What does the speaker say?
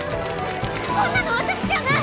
こんなの私じゃない！